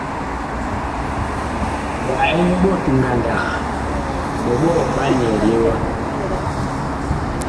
Wa ɛn ɓot ngandag, ɓɔɓɔɔ ɓa nyɛɛle wa ?